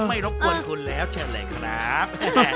ไม่รบกวนคุณแล้วเช่นแหละครับ